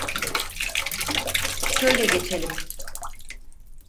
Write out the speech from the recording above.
Şöyle geçelim.